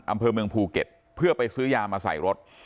อำเภอเมืองภูเก็ตเพื่อไปซื้อยามาใส่รถ